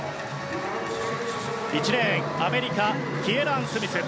１レーン、アメリカキエラン・スミス。